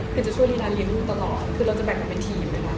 คือช่วยเรียนราวเรียนรู้ตลอดคือเราจะแบ่งกันเป็นทีมเลยนะ